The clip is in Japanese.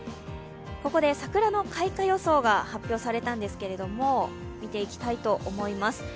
ここで桜の開花予想が発表されたんですけれども、見ていきたいと思います。